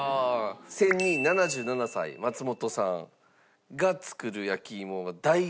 仙人７７歳松本さんが作る焼き芋は大行列。